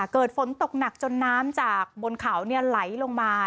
เกิดฝนตกหนักจนน้ำจากบนเขาไหลลงมา